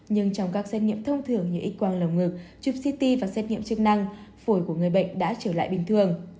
nhưng trong các xét nghiệm thông thường như x quang lầu ngực chụp ct và xét nghiệm chức năng phổi của người bệnh đã trở lại bình thường